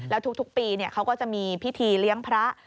แล้วทุกปีเขาก็จะมีพิธีเลี้ยงพระ